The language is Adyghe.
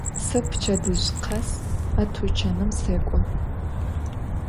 Se pçedıj khes a tuçanım sek'o.